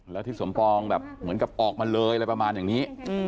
แล้วทิศสมปองแบบเหมือนกับออกมาเลยอะไรประมาณอย่างนี้